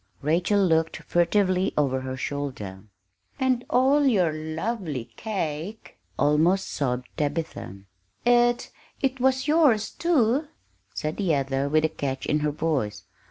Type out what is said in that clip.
Rachel looked furtively over her shoulder. "And all your lovely cake!" almost sobbed Tabitha. "It it was yours, too," said the other with a catch in her voice.